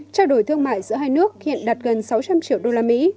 trao đổi thương mại giữa hai nước hiện đạt gần sáu trăm linh triệu đô la mỹ